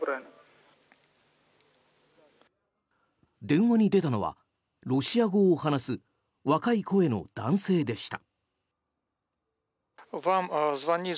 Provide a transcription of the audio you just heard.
電話に出たのはロシア語を話す若い声の男性でした。